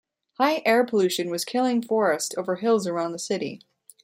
High air pollution was killing forest over hills around the city.